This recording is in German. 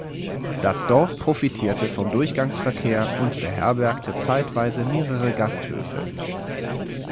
Das Dorf profitierte vom Durchgangsverkehr und beherbergte zeitweise mehrere Gasthöfe.